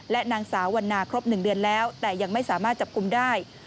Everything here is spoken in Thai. และนางสาววันนาครบ๑เดือนแล้วแต่ยังไม่สามารถจับกลุ่มได้